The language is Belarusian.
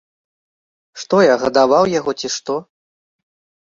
Што я гадаваў яго, ці што?